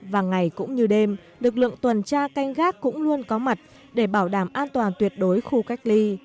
và ngày cũng như đêm lực lượng tuần tra canh gác cũng luôn có mặt để bảo đảm an toàn tuyệt đối khu cách ly